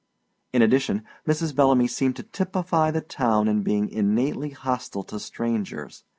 In addition, Mrs. Bellamy seemed to typify the town in being innately hostile to strangers.